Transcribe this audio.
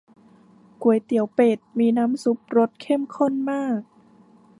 ก๋วยเตี๋ยวเป็ด มีน้ำซุปรสเข้มข้นมาก